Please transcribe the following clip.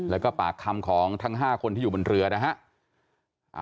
แล้วก็ปากคำของทั้ง๕คนที่อยู่บนเรือนะฮะ